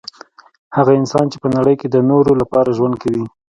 هغه انسان چي په نړۍ کي د نورو لپاره ژوند کوي